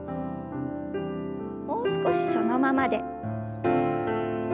もう少しそのままで。